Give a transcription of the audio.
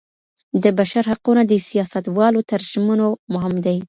د بشر حقونه د سياستوالو تر ژمنو مهم دي.